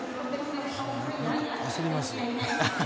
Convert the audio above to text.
何か焦ります。